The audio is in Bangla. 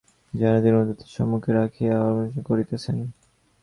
যেন তিনি উদয়াদিত্যকে সম্মুখে রাখিয়াই ভর্ৎসনা করিতেছেন।